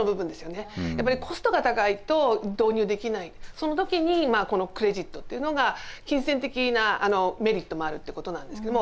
その時にこのクレジットっていうのが金銭的なメリットもあるってことなんですけれども。